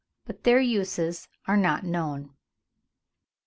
but their uses are not known.